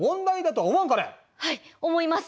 はい思います。